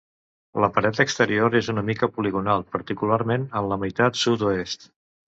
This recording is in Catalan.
La paret exterior és una mica poligonal, particularment en la meitat sud-oest.